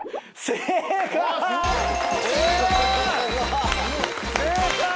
正解！